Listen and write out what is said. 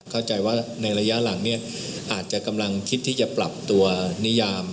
เข้าใจว่าในระยะหลังเนี่ยอาจจะกำลังคิดที่จะปรับตัวนิยาม